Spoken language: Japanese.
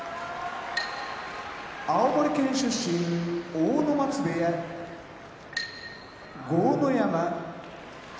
青森県出身阿武松部屋豪ノ山